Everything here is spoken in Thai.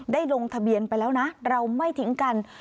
ลงทะเบียนไปแล้วนะเราไม่ทิ้งกัน